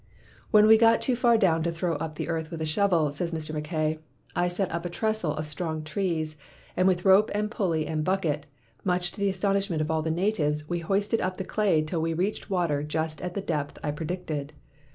"When we got too far down to throw up the earth with a shovel," says Mr. Mackay, "I set up a trestle of strong trees; and with rope and pulley and bucket, much to the as tonishment of all the natives, we hoisted up the clay, till we reached water just at the depth I predicted.